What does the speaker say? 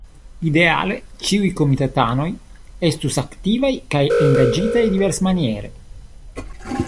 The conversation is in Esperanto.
Ideale, ĉiuj komitatanoj estus aktivaj kaj engaĝitaj diversmaniere.